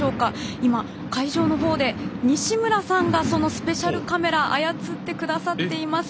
今、会場のほうで西村さんがそのスペシャルカメラを操ってくださっています。